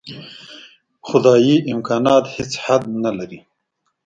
خدايي امکانات هېڅ حد نه لري.